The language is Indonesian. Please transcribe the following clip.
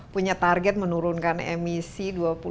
punya target menurunkan emisi